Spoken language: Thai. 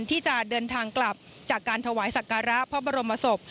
ที่จะเดินทางกลับจากการถวายสักการะพระบรมศพ